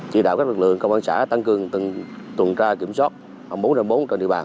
chỉ đạo các lực lượng công an xã tăng cường từng tuần tra kiểm soát